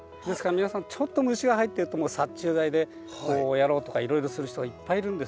皆さんちょっと虫が入ってるともう殺虫剤でこうやろうとかいろいろする人がいっぱいいるんですね。